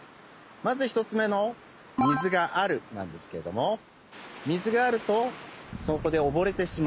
まず１つめの「水がある」なんですけれども水があるとそこでおぼれてしまう。